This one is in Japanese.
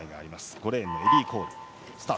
５レーンのエリー・コール。